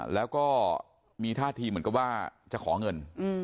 แล้วก็มีท่าทีเหมือนกับว่าจะขอเงิน